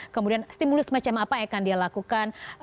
kemudian stimulus macam apa yang akan dia lakukan